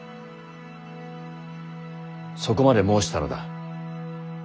そこまで申したのだ。